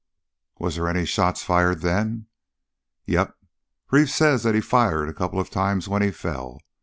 "Was they any shots fired then?" "Yep. Reeve says that he fired a couple of times when he fell.